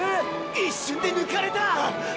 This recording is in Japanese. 一瞬で抜かれた！